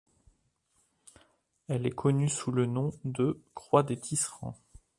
Elle est connue sous le nom de Croix des Tisserands.